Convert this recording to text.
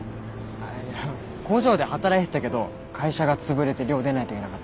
あいや工場で働いてたけど会社が潰れて寮出ないといけなかったんだ。